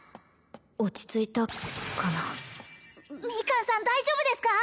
落ち着いたかなミカンさん大丈夫ですか？